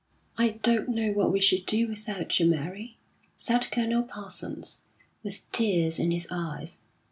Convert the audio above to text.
"I don't know what we should do without you, Mary," said Colonel Parsons, with tears in his eyes.